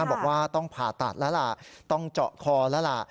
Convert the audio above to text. บอกว่าต้องผ่าตัดแล้วล่ะต้องเจาะคอแล้วล่ะ